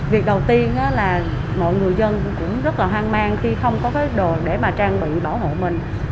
việc đầu tiên là mọi người dân cũng rất là hoang mang khi không có cái đồ để mà trang bị bảo hộ mình